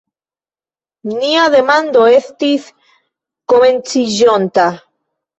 Nia demandado estis komenciĝonta.